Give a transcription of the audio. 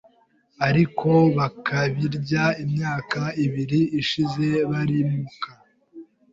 ariko bakabirya, imyaka ibiri ishize barimuka